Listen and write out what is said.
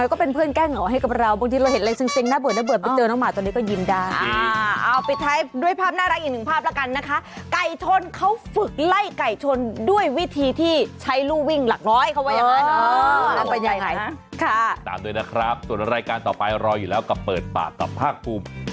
ก็ตามด้วยนะครับส่วนให้รายการต่อไปรออยู่แล้วกับเปิดปากต่อภาคภูมิ